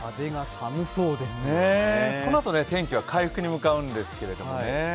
このあと天気は回復に向かうんですけどね。